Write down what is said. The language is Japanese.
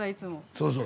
そうそう。